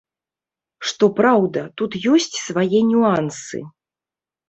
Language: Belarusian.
Што праўда, тут ёсць свае нюансы.